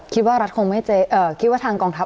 คิดว่าทางกองทัพ